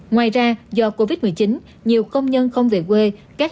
ngoài ra do covid một mươi chín nhiều công nhân không về quê các nhà máy tổ chức sản xuất đúng ngày